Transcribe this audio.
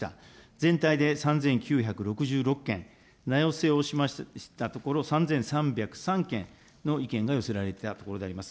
全体で３９６６件、名寄せをしましたところ、３３０３件の意見が寄せられたところであります。